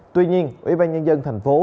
tuy nhiên ủy ban nhân dân tp hcm